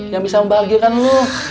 yang bisa membahagiakan lo